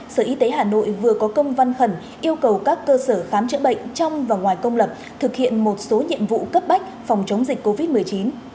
sở y tế hà nội vừa có công văn khẩn yêu cầu các cơ sở khám chữa bệnh trong và ngoài công lập thực hiện một số nhiệm vụ cấp bách phòng chống dịch covid một mươi chín